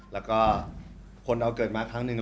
แล้วก็คนเราเกิดมาครั้งหนึ่ง